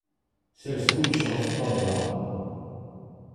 Sers kullec ɣef ṭṭabla!